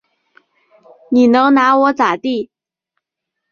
你能拿我咋地？